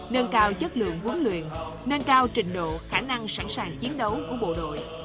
nâng cao chất lượng huấn luyện nâng cao trình độ khả năng sẵn sàng chiến đấu của bộ đội